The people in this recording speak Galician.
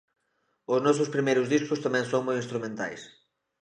Os nosos primeiros discos tamén son moi instrumentais.